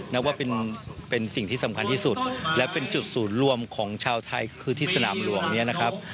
นับว่าเป็นสิ่งที่สำคัญที่สุดและเป็นจุดศูนย์รวมของชาวไทยคือที่สนามหลวงเนี่ยนะครับ